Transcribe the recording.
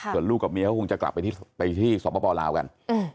ส่วนลูกกับเมียเขาคงจะกลับไปที่สปลาวกัน